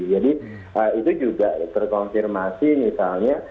jadi itu juga terkonfirmasi misalnya